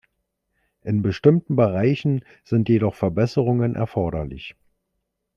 In bestimmten Bereichen sind jedoch Verbesserungen erforderlich.